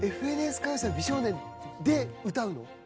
『ＦＮＳ歌謡祭』美少年で歌うの？